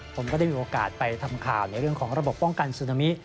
ผมก็ได้มีโอกาสไปทำข่าวในเรื่องของระบบป้องกันซึนามิ